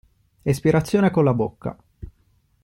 Espirazione colla bocca.